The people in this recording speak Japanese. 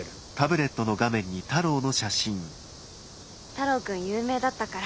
太郎君有名だったから。